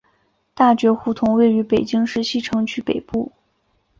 大觉胡同位于北京市西城区北部。